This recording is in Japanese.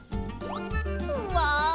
うわ！